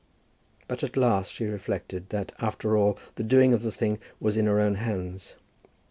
But at last she reflected that, after all, the doing of the thing was in her own hands.